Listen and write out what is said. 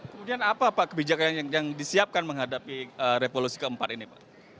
kemudian apa pak kebijakan yang disiapkan menghadapi revolusi keempat ini pak